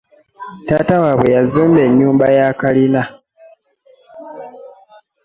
Taata wabwe yazimba ennyumba ya kalina.